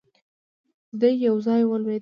دی يو ځای ولوېد.